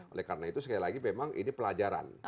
oleh karena itu sekali lagi memang ini pelajaran